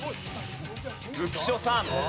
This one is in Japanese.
浮所さん。